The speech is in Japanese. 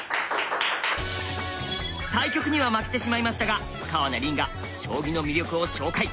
対局には負けてしまいましたが川名凜が将棋の魅力を紹介。